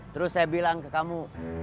terus saya bilang ke kamu